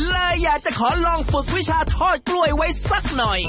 เลยอยากจะขอลองฝึกวิชาทอดกล้วยไว้สักหน่อย